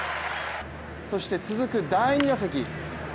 そして続く第２打席。